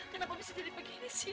kenapa bisa jadi begini